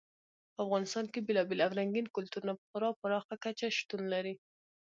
په افغانستان کې بېلابېل او رنګین کلتورونه په خورا پراخه کچه شتون لري.